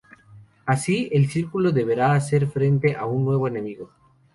Así, el círculo deberá hacer frente a un nuevo enemigo.